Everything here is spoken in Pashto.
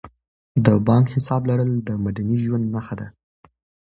د بانک حساب لرل د مدني ژوند نښه ده.